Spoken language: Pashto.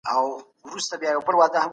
ټولنیزه بیا کتنه دویم مهم عامل و.